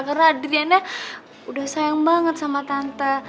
karena adriana udah sayang banget sama tante